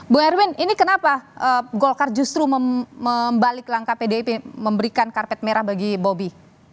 bu erwin ini kenapa golkar justru membalik langkah pdip memberikan karpet merah bagi bobi